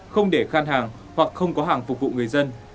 không để khan hàng hoặc không có hàng phục vụ người dân